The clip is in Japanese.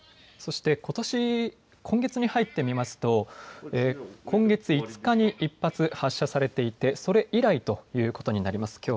そして、今月に入って見ますと今月２日に１発、発射されていてそれ以来ということになります。